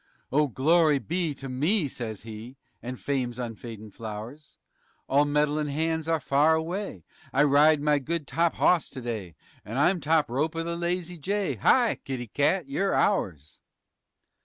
"Oh, glory be to me," says he, "And fame's unfadin' flowers! All meddlin' hands are far away; I ride my good top hawse today _And I'm top rope of the Lazy J _ _Hi! kitty cat, you're ours!